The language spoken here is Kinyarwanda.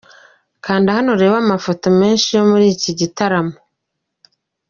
Kanda hano urebe amafoto menshi yo muri iki gitaramo.